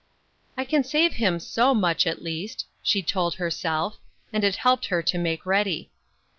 " I can save him so much, at least," she told herself, and it helped her to make ready.